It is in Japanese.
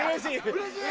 うれしい！